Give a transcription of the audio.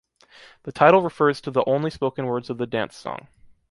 The title refers to the only spoken words of the dance song.